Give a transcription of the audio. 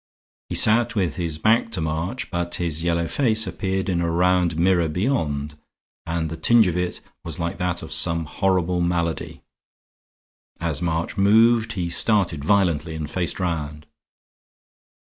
He sat with his back to March, but his yellow face appeared in a round mirror beyond and the tinge of it was like that of some horrible malady. As March moved he started violently and faced round.